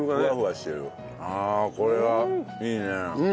ああこれはいいね。